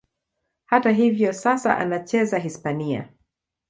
Hata hivyo, sasa anacheza Hispania.